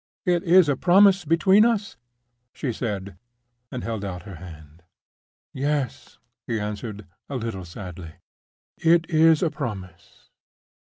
"It is a promise between us?" she said, and held out her hand. "Yes," he answered, a little sadly; "it is a promise."